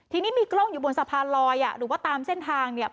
ทีนี้มีกล้องอยู่บนสะพานลอยอ่ะหรือว่าตามเส้นทางเนี่ย